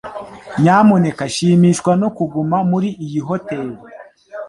Nyamuneka shimishwa no kuguma muri iyi hoteri.